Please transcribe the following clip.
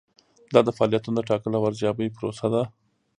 دا د فعالیتونو د ټاکلو او ارزیابۍ پروسه ده.